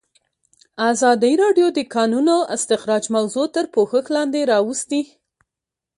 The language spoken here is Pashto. ازادي راډیو د د کانونو استخراج موضوع تر پوښښ لاندې راوستې.